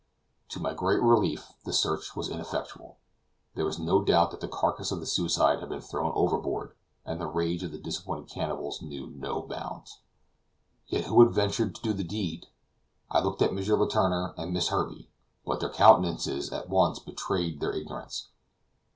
To my great relief the search was ineffectual. There was no doubt that the carcass of the suicide had been thrown overboard, and the rage of the disappointed cannibals knew no bounds. Yet who had ventured to do the deed? I looked at M. Letourneur and Miss Herbey; but their countenances at once betrayed their ignorance.